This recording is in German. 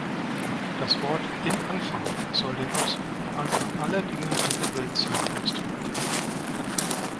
Das Wort „im Anfang“ soll den absoluten Anfang aller Dinge und der Weltzeit ausdrücken.